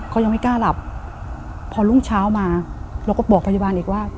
เขายังไม่กล้าหลับพอรุ่งเช้ามาเราก็บอกพยาบาลอีกว่า